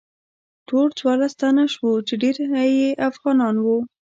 ټول څوارلس تنه شوو چې ډیری یې افغانان وو.